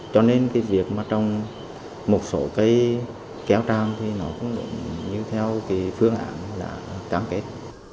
cho nên cái việc mà trong một số cây kéo tàm thì nó cũng như theo cái phương án là cam kết